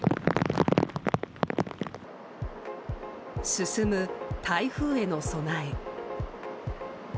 進む台風への備え。